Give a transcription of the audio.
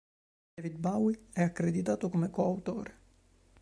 David Bowie è accreditato come co-autore.